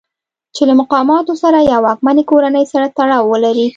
چې له مقاماتو سره یا واکمنې کورنۍ سره تړاو ولرئ.